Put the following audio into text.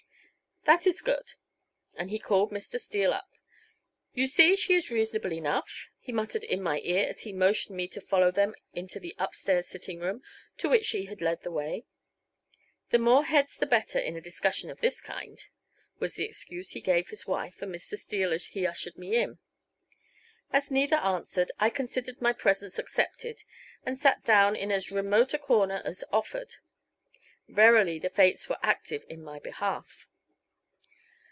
"That is good." And he called Mr. Steele up. "You see she is reasonable enough," he muttered in my ear as he motioned me to follow them into the up stairs sitting room to which she had led the way. "The more heads the better in a discussion of this kind," was the excuse he gave his wife and Mr. Steele as he ushered me in. As neither answered, I considered my presence accepted and sat down in as remote a corner as offered. Verily the fates were active in my behalf.